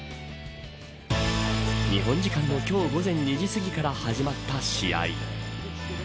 日本時間の今日午前２時すぎから始まった試合。